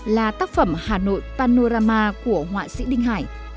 là tác phẩm hà nội panorama của họa sĩ đinh hải